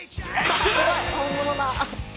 本物だ！